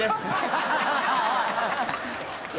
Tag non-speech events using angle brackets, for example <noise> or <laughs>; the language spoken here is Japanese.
ハハハ <laughs>